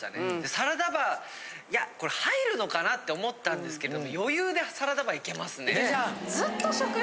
サラダバーいやこれ入るのかなって思ったんですけど余裕でサラダバーいけますね。